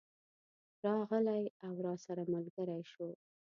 راغلی او راسره ملګری شو.